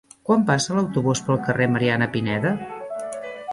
Quan passa l'autobús pel carrer Mariana Pineda?